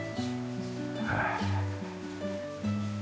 へえ。